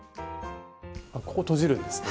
ここ閉じるんですね。